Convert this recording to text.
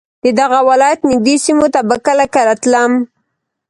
د دغه ولایت نږدې سیمو ته به کله کله تلم.